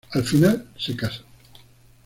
Al final se casan.